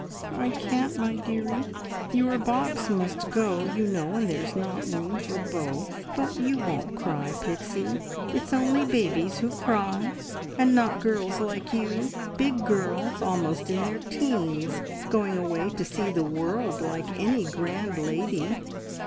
"I can't, my dearie. Your box must go, you know, and there's not room for both. But you won't cry, Pixie. It's only babies who cry, not girls like you big girls, almost in their teens, going away to see the world like any grand lady.